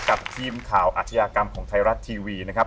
กับทีมข่าวอาชญากรรมของไทยรัฐทีวีนะครับ